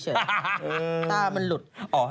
ถ้ามันหลุด